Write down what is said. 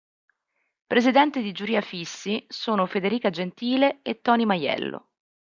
Presidenti di giuria fissi sono Federica Gentile e Tony Maiello.